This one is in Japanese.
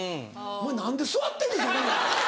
お前何で座ってんねんそこ。